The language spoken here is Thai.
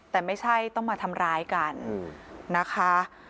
แต่ไม่ใช่ต้องมาทำร้ายกันนะคะ